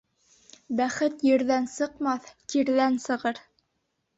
Бәхет ерҙән сыҡмаҫ, тирҙән сығыр.